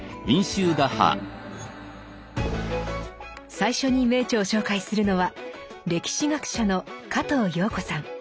最初に名著を紹介するのは歴史学者の加藤陽子さん。